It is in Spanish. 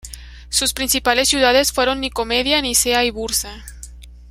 Sus principales ciudades fueron Nicomedia, Nicea y Bursa.